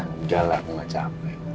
nggak lah gue gak capek